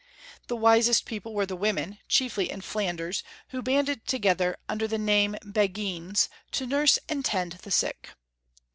The wisest people were the women, Karl IV. 219 chiefly in Flanders, who banded together, under the name of B^guines, to nnrse and tend the sick.